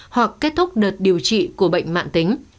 hoặc kết thúc đợt điều trị của bệnh mạng tính